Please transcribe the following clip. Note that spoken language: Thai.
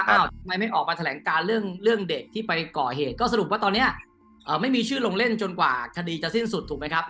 ทำไมไม่ออกมาแถลงการเรื่องเด็กที่ไปก่อเหตุก็สรุปว่าตอนนี้ไม่มีชื่อลงเล่นจนกว่าคดีจะสิ้นสุดถูกไหมครับ